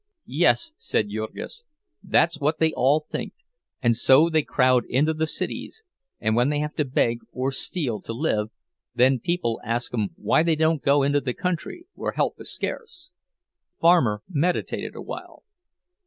"Yes," said Jurgis, "that's what they all think; and so they crowd into the cities, and when they have to beg or steal to live, then people ask 'em why they don't go into the country, where help is scarce." The farmer meditated awhile.